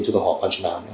chưa có họ quan trọng nào